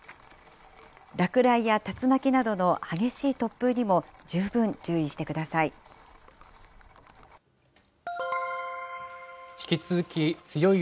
落雷や竜巻などの激しい突風にも十分注意してください。